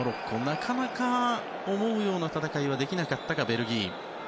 なかなか思うような戦いはできなかったか、ベルギー。